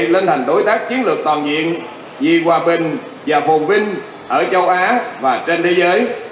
lên thành đối tác chiến lược toàn diện vì hòa bình và phồn vinh ở châu á và trên thế giới